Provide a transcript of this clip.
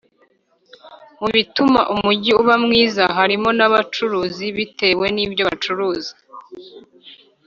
Mu bituma umujyi uba mwiza harimo n’abacuruzi bitewe nibyo bacuruza